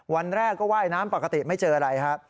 วันแรกก็ว่ายน้ำปกติไม่เจออะไรครับ